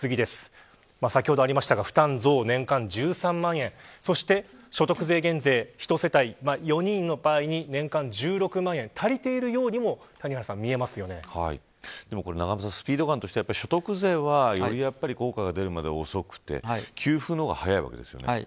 先ほどありましたが負担増、年間１３万円所得税減税世帯４人の場合、年間で１６万円足りているようにもスピード感として所得税はより効果が出るまで遅くて給付の方が早いわけですよね。